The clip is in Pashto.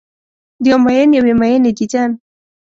د یو میین یوې میینې دیدن